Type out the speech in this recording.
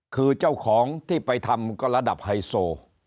คือเจ้าของที่ไปทำก็ระดับไฮโซ